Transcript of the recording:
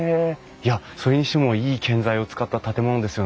いやそれにしてもいい建材を使った建物ですよね。